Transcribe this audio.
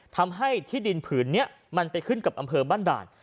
ทำให้ที่ดินพื้นเนี่ยมันไปขึ้นกับอำเภอบ้านด่าน